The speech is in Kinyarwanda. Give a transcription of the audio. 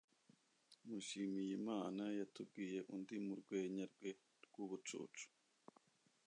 Mushimiyimana yatubwiye undi murwenya rwe rwubucucu.